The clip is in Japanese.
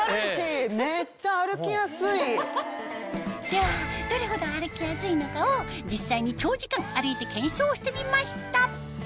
ではどれほど歩きやすいのかを実際に長時間歩いて検証してみました